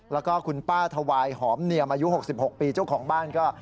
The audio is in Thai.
แล้วก็คุณป้าถวายหอมเนียมอายุ๖๖ปีเจ้าของบ้านก็